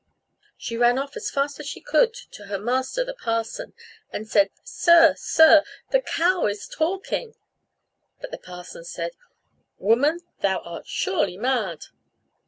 She ran off as fast as she could to her master, the parson, and said, "Sir, sir, the cow is talking!" But the parson said, "Woman, thou art surely mad!"